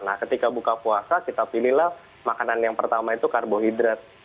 nah ketika buka puasa kita pilihlah makanan yang pertama itu karbohidrat